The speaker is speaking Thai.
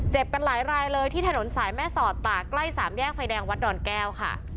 กันหลายรายเลยที่ถนนสายแม่สอดตากใกล้สามแยกไฟแดงวัดดอนแก้วค่ะ